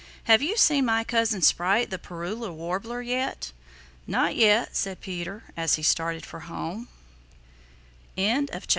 Have you seen my cousin Sprite the Parula Warbler, yet?" "Not yet," said Peter, as he started for home. CHAPTER XXVI.